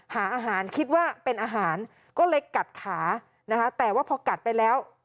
หาอาหารคิดว่าเป็นอาหารก็เลยกัดขานะคะแต่ว่าพอกัดไปแล้ว